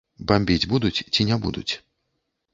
Бамбіць будуць ці не будуць?